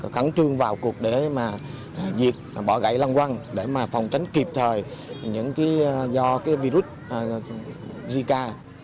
khẳng trương vào cuộc để diệt bỏ gãy lăng quăng để phòng tránh kịp thời những do virus zika